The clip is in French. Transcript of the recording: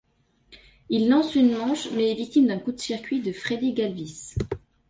Il lance une manche mais est victime d'un coup de circuit de Freddy Galvis.